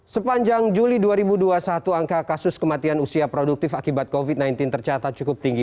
sepanjang juli dua ribu dua puluh satu angka kasus kematian usia produktif akibat covid sembilan belas tercatat cukup tinggi